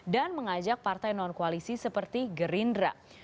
dan mengajak partai non koalisi seperti gerindra